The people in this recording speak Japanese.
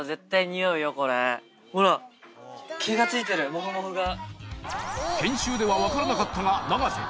モフモフが。